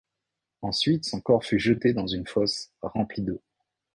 Ensuite son corps fut jeté dans une fosse remplie d'eau.